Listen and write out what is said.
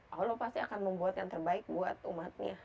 allah pasti akan membuat yang terbaik buat umatnya